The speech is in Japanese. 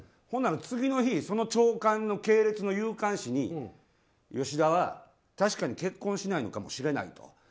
ほんなら次の日その朝刊の系列の夕刊紙に吉田は確かに結婚しないのかもしれないと。